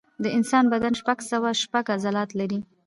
د انسان بدن شپږ سوه شپږ عضلات لري.